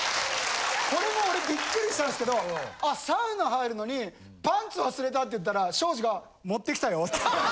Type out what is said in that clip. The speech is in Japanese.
これも俺びっくりしたんすけどサウナ入るのにパンツ忘れたって言ったら庄司が持ってきたよって。